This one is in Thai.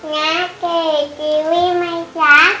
แมงแคววิวใหม่จาก